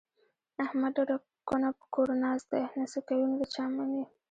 احمد ډډه کونه په کور ناست دی، نه څه کوي نه د چا مني.